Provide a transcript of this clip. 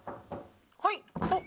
はい。